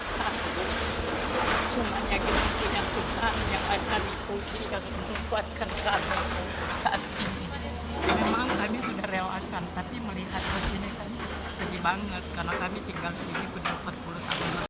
kami melihat keadaan ini sedih banget karena kami tinggal sini berdampak puluh tahun